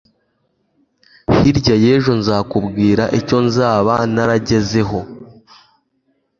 hirya y'ejo nzakubwira icyo nzaba naragezeho